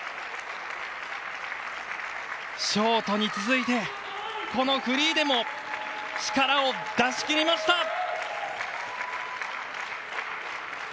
ショートに続いてこのフリーでも力を出し切りました！